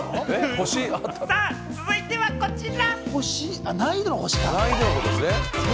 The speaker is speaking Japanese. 続いてはこちら。